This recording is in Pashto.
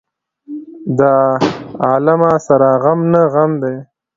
د عالمه سره غم نه غم دى.